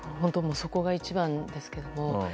そこが一番ですけども。